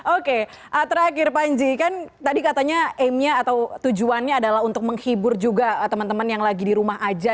oke terakhir panji kan tadi katanya am nya atau tujuannya adalah untuk menghibur juga teman teman yang lagi di rumah aja